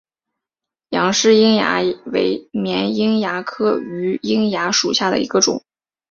杨氏瘿蚜为绵瘿蚜科榆瘿蚜属下的一个种。